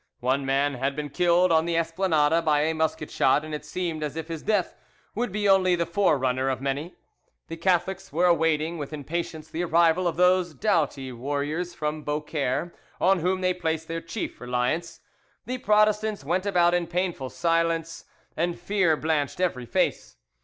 One man had been killed on the Esplanade by a musket shot, and it seemed as if his death would be only the forerunner of many. The Catholics were awaiting with impatience the arrival of those doughty warriors from Beaucaire on whom they placed their chief reliance. The Protestants went about in painful silence, and fear blanched every face.